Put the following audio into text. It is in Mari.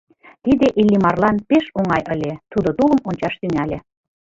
Тиде Иллимарлан пеш оҥай ыле, тудо тулым ончаш тӱҥале.